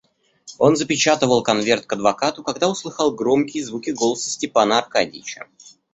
Он запечатывал конверт к адвокату, когда услыхал громкие звуки голоса Степана Аркадьича.